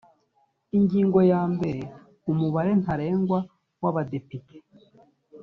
ingingo yambere umubare ntarengwa wa badepite